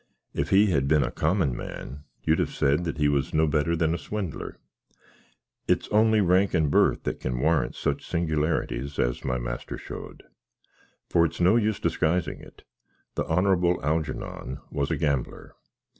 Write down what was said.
If he had been a common man, you'd have said he was no better than a swinler. It's only rank and buth that can warrant such singularities as my master showed. For it's no use disgysing it the Honrabble Halgernon was a Gambler.